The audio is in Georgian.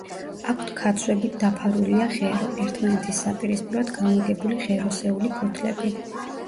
აქვთ ქაცვებით დაფარულია ღერო, ერთმანეთის საპირისპიროდ განლაგებული ღეროსეული ფოთლები.